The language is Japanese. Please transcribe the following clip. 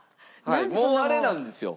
もうあれなんですよ。